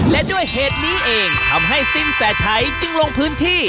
และด้วยเหตุนี้เองทำให้สินแสชัยจึงลงพื้นที่